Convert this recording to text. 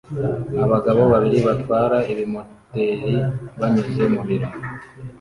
Abagabo babiri batwara ibimoteri banyuze mu biro